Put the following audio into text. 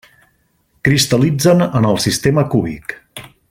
Cristal·litzen en el sistema cúbic.